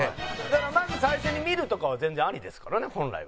だからまず最初に見るとかは全然ありですからね本来は。